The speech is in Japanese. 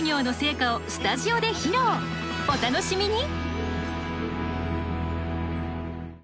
お楽しみに！